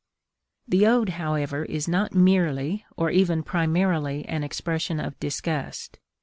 The ode, however, is not merely, or even primarily, an expression of disgust.